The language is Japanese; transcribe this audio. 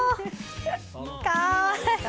かわいい！